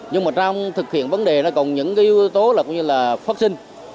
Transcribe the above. nhưng mà trong thực hiện vấn đề nó còn những yếu tố là phát sinh